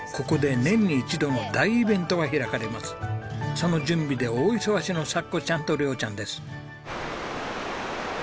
その準備で大忙しのさっこちゃんと亮ちゃんです。